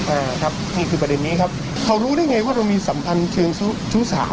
อ่าครับนี่คือประเด็นนี้ครับเขารู้ได้ไงว่าเรามีสัมพันธ์เชิงชู้ชู้สาว